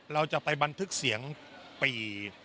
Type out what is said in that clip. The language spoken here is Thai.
เราจะไปบันทึกเสียงปี่